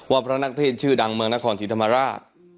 พระนักเทศชื่อดังเมืองนครศรีธรรมราช